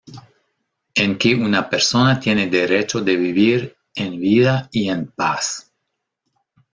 En que una persona tiene derecho de vivir en vida y en paz.